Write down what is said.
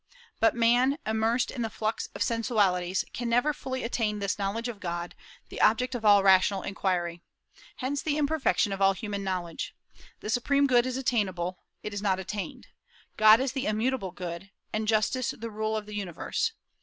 But man, immersed in the flux of sensualities, can never fully attain this knowledge of God, the object of all rational inquiry. Hence the imperfection of all human knowledge. The supreme good is attainable; it is not attained. God is the immutable good, and justice the rule of the universe.